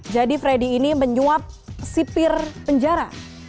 jadi freddy ini menyuap sipir penjara